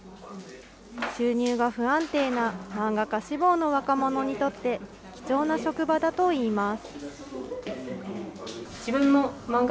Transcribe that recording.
収入が不安定な漫画家志望の若者にとって、貴重な職場だといいます。